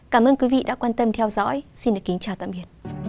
cảm ơn các bạn đã theo dõi và hẹn gặp lại